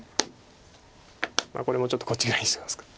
これもちょっとこっちぐらいにしますか。